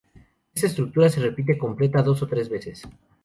Esta estructura se repite completa dos o tres veces.